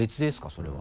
それは。